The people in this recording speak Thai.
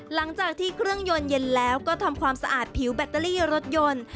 หลังจากที่เครื่องยนต์เย็นแล้วก็ทำความสะอาดผิวแบตเตอรี่รถยนต์